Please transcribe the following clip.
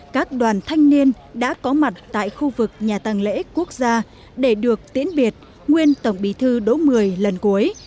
các đoàn thanh niên đã có mặt tại khu vực nhà tăng lễ quốc gia để được tiễn biệt nguyên tổng bí thư đỗ mười lần cuối